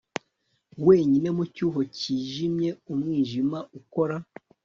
Wenyine mu cyuho cyijimye umwijima ukora